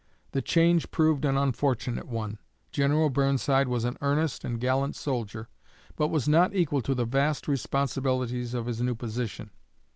The change proved an unfortunate one. General Burnside was an earnest and gallant soldier, but was not equal to the vast responsibilities of his new position.